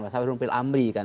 masa berumpil amri kan